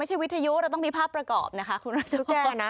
ไม่ใช่วิทยุเราต้องมีภาพประกอบนะคะคุณอาชรณ์